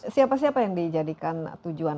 siapa siapa yang dijadikan tujuan